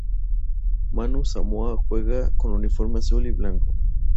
Manu Samoa juega con uniforme azul y blanco.